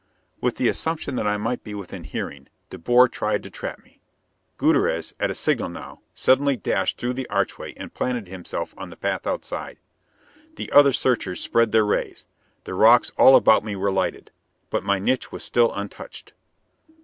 With the assumption that I might be within hearing, De Boer tried to trap me. Gutierrez, at a signal now, suddenly dashed through the archway and planted himself on the path outside. The other searchers spread their rays; the rocks all about me were lighted. But my niche was still untouched.